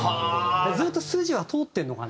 ずっと筋は通ってるのかな。